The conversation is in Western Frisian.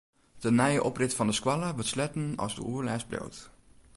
De nije oprit fan de skoalle wurdt sletten as de oerlêst bliuwt.